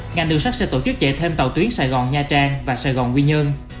ngành đường sắt sẽ tổ chức chạy thêm tàu tuyến sài gòn nha trang và sài gòn quy nhơn